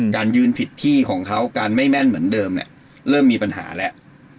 การยืนผิดที่ของเขาการไม่แม่นเหมือนเดิมเนี่ยเริ่มมีปัญหาแล้ว